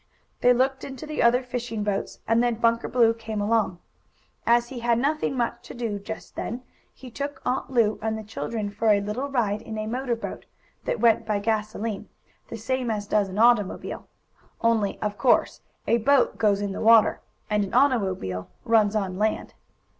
They looked into the other fishing boats, and then Bunker Blue came along. As he had nothing much to do just then he took Aunt Lu and the children for a little ride in a motor boat, that went by gasoline, the same as does an automobile. Only, of course, a boat goes in the water, and an automobile runs on land.